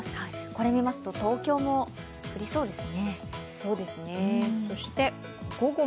これを見ますと、東京も降りそうですね。